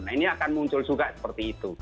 nah ini akan muncul juga seperti itu